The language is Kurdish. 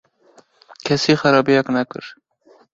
- Kesî xerabiyek nekir.